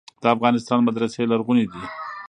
د افغانستان مدرسې لرغونې دي.